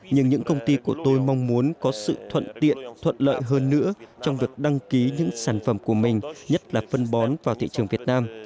nhưng những công ty của tôi mong muốn có sự thuận tiện thuận lợi hơn nữa trong việc đăng ký những sản phẩm của mình nhất là phân bón vào thị trường việt nam